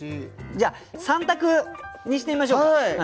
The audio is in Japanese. じゃあ３択にしてみましょうか。